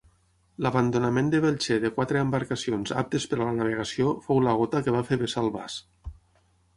L'abandonament de Belcher de quatre embarcacions aptes per a la navegació fou la gota que va fer vessar el vas.